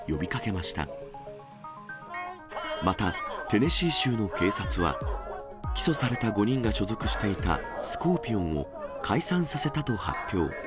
また、テネシー州の警察は、起訴された５人が所属していたスコーピオンを解散させたと発表。